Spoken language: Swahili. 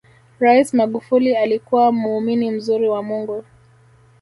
rais magufuli alikuwa muumini mzuri wa mungu